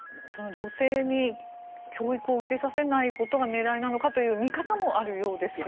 女性に教育を受けさせないことが狙いなのかという見方もあるようですが。